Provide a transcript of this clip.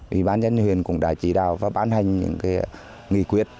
vì bản nhân huyện cũng đã chỉ đạo và bán hành những cái nghị quyết